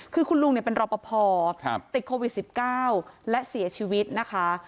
คือคุณลุงเป็นรอปภติดโควิด๑๙และเสียชีวิตนะคะ